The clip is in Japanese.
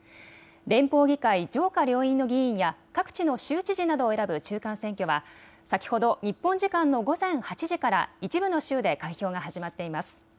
連邦議会上下両院の議員や各地の州知事などを選ぶ中間選挙は先ほど日本時間の午前８時から一部の州で開票が始まっています。